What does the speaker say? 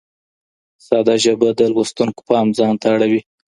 ساده ژبه د لوستونکو پام ځان ته اړوي.